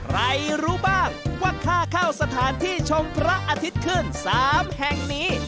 รู้บ้างว่าค่าเข้าสถานที่ชมพระอาทิตย์ขึ้น๓แห่งนี้